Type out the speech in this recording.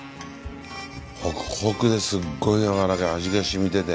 ホクホクですっごいやわらかい味がしみてて。